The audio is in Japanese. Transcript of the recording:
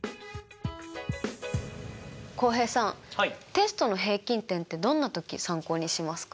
浩平さんテストの平均点ってどんな時参考にしますか？